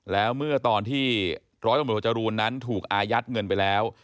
แล้วเมื่อตอนที่ร้อยตำรวจโทจรูนนั้นถูกอายัดเงินไปแล้ว